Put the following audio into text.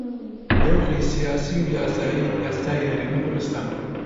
دۆخە سیاسی و یاساییەی ئێستای هەرێمی کوردستان